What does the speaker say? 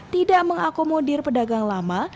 tidak mengakomodir pedagang lama